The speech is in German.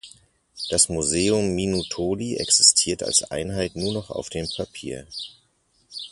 Das Museum Minutoli existiert als Einheit nur noch auf dem Papier.